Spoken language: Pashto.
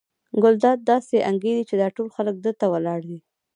ګلداد داسې انګېري چې دا ټول خلک ده ته ولاړ دي.